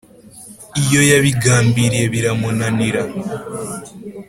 iyo yabigambiriye biramunanira